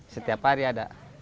setiap hari ada